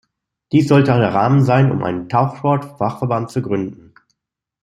Dies sollte der Rahmen sein, um einen Tauchsport-Dachverband zu gründen.